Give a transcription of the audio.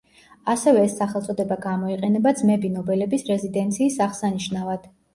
ასევე ეს სახელწოდება გამოიყენება ძმები ნობელების რეზიდენციის აღსანიშნავად.